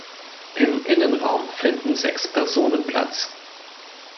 Im Innenraum finden sechs Personen Platz.